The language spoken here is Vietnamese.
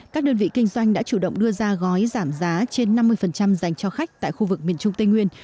các đơn vị kinh doanh đã chủ động đưa ra gói giảm giá trên năm mươi dành cho khách tại khu vực miền trung tây nguyên